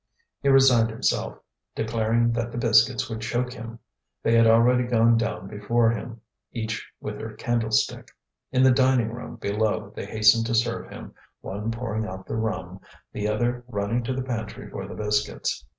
He resigned himself, declaring that the biscuits would choke him. They had already gone down before him, each with her candlestick. In the dining room below they hastened to serve him, one pouring out the rum, the other running to the pantry for the biscuits.